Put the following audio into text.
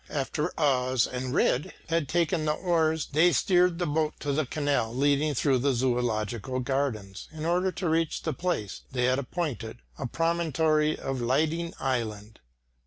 After Os and Rejd had taken the oars, they steered the boat to the canal leading through the Zoological Gardens, in order to reach the place they had appointed, a promontory of Liding Island.